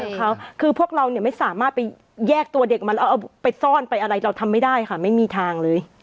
ของเขาคือพวกเราเนี่ยไม่สามารถไปแยกตัวเด็กมันแล้วเอาไปซ่อนไปอะไรเราทำไม่ได้ค่ะไม่มีทางเลย